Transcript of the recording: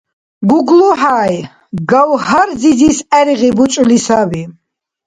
ГуглахӀяй Гавгьар-зизис гӀергъи бучӀули саби.